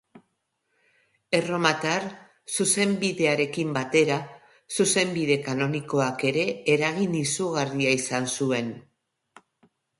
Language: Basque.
Erromatar zuzenbidearekin batera, zuzenbide kanonikoak ere eragin izugarria izan zuen.